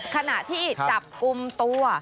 ขณะที่จับกลุ่มตัว